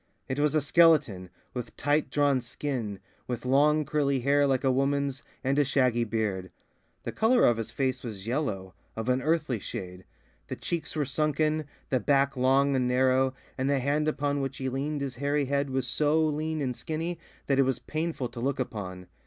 It was a skeleton, with tight drawn skin, with long curly hair like a woman's, and a shaggy beard. The colour of his face was yellow, of an earthy shade; the cheeks were sunken, the back long and narrow, and the hand upon which he leaned his hairy head was so lean and skinny that it was painful to look upon.